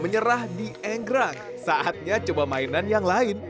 menyerah di enggrang saatnya coba mainan yang lain